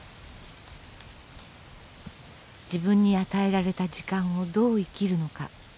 自分に与えられた時間をどう生きるのか。